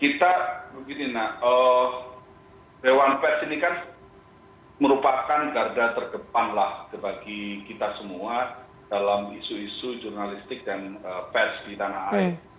kita begini dewan pers ini kan merupakan garda terdepan lah bagi kita semua dalam isu isu jurnalistik dan pers di tanah air